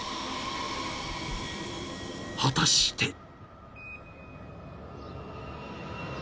［果たして］